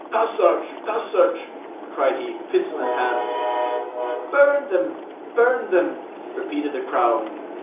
"Passage! passage!" cried he, pistol in hand. "Burn them! burn them!" repeated the crowd.